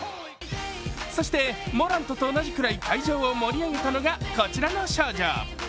そして、モラントと同じくらい会場を盛り上げたのがこちらの少女。